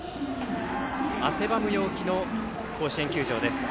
汗ばむ陽気の甲子園球場です。